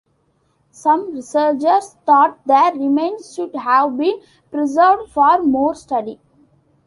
Some researchers thought the remains should have been preserved for more study.